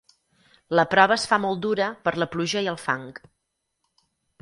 La prova es fa molt dura per la pluja i el fang.